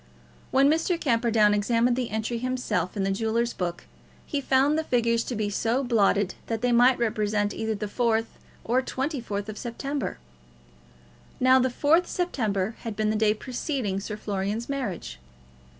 When Mr. Camperdown examined the entry himself in the jewellers' book, he found the figures to be so blotted that they might represent either the 4th or 24th September. Now, the 4th September had been the day preceding Sir Florian's marriage.